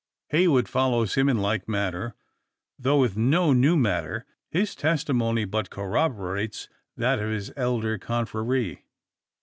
Heywood follows him in like manner, though with no new matter. His testimony but corroborates that of his elder confrere.